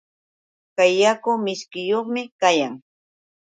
Kay yaku mishkiyuqmi kayan.